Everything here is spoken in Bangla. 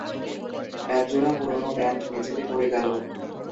এক জোড়া পুরনো প্যান্ট মেঝেতে পড়ে গেল।